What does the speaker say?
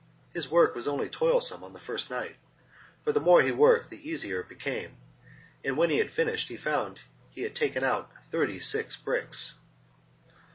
His work was only toilsome on the first night, for the more he worked the easier it became, and when he had finished he found he had taken out thirty six bricks.